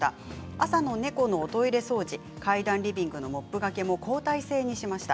朝の猫のトイレ掃除階段やリビングのモップがけも交代制にしました。